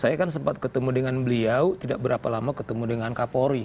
saya kan sempat ketemu dengan beliau tidak berapa lama ketemu dengan kapolri